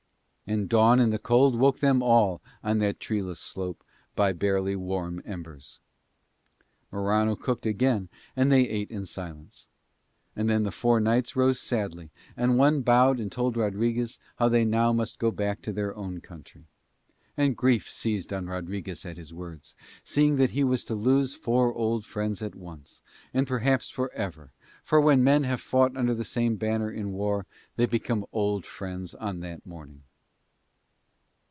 And dawn and the cold woke them all on that treeless slope by barely warm embers. Morano cooked again and they ate in silence. And then the four knights rose sadly and one bowed and told Rodriguez how they must now go back to their own country. And grief seized on Rodriguez at his words, seeing that he was to lose four old friends at once and perhaps for ever, for when men have fought under the same banner in war they become old friends on that morning.